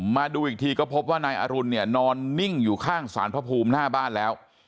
มาดูอีกทีก็พบว่านายอรุณเนี่ยนอนนิ่งอยู่ข้างสารพระภูมิหน้าบ้านแล้ว